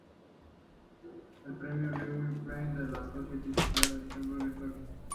El Premio Ludwik Fleck de la Society for Social Studies of Science